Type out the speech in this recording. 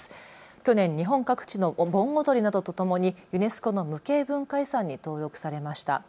去年、日本各地の盆踊りなどとともにユネスコの無形文化遺産に登録されました。